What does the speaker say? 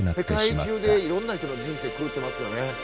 世界中でいろんな人の人生狂ってますよね。